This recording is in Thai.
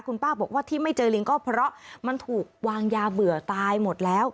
คุณป้าบอกว่าที่ไม่เจอลิงก็เพราะมันถูกวางยาเบื่อตายหมดแล้ว